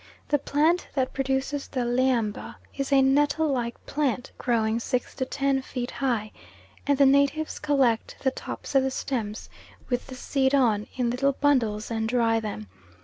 The plant that produces the lhiamba is a nettle like plant growing six to ten feet high, and the natives collect the tops of the stems, with the seed on, in little bundles and dry them.